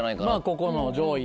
ここの上位。